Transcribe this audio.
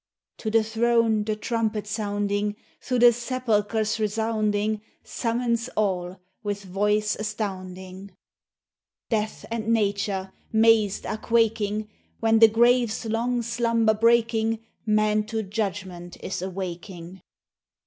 To the throne, the trumpet sounding, Through the sepulchres resounding, Summons all, with voice astounding. Death and Nature, mazed, are quaking, When, the grave's long slumber breaking, Man to judgment is awaking.